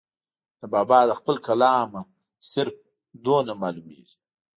د بابا د خپل کلام نه صرف دومره معلوميږي